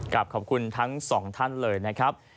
ขอบคุณทั้งสองท่านเลยนะครับ